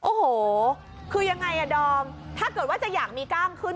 โอ้โหคือยังไงอ่ะดอมถ้าเกิดว่าจะอยากมีกล้ามขึ้น